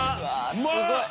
うまい！